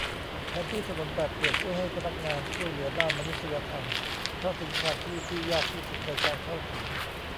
แผนที่ถนนแบบเปิดช่วยให้พนักงานช่วยเหลือด้านมนุษยธรรมเข้าถึงสถานที่ที่ยากที่สุดในการเข้าถึง